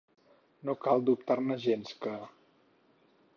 No cal dubtar-ne gens que.